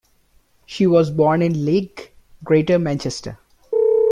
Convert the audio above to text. She was born in Leigh, Greater Manchester.